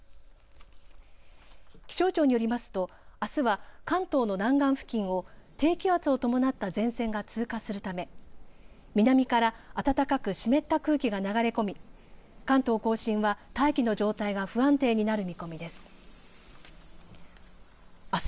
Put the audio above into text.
気象庁によりますと、あすは関東の南岸付近を低気圧を伴った前線が通過するため南から暖かく湿った空気が流れ込み関東甲信は大気の状態が不安定になる見込みです。